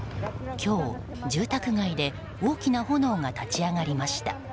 今日、住宅街で大きな炎が立ち上がりました。